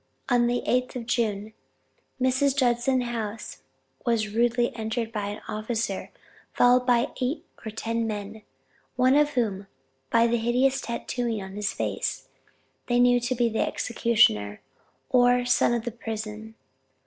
On the 8th of June, Mr. Judson's house was rudely entered by an officer, followed by eight or ten men, one of whom, by the hideous tattooing on his face, they knew to be the executioner, or 'son of the prison.'